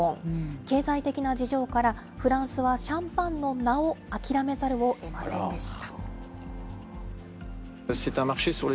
経済的な事情からフランスはシャンパンの名を諦めざるをえませんでした。